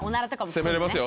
攻めれますよ